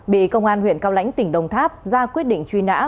bị công an huyện cao lãnh tỉnh đồng tháp ra quyết định truy nã